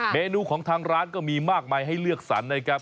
เมนูของทางร้านก็มีมากมายให้เลือกสรรนะครับ